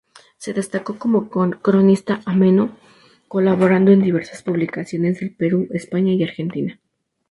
Se destacó como cronista ameno, colaborando en diversas publicaciones del Perú, España y Argentina.